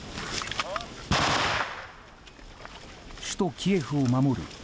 首都キエフを守る